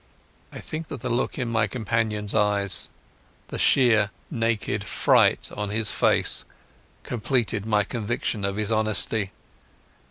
I think that the look in my companion's eyes, the sheer naked scare on his face, completed my conviction of his honesty.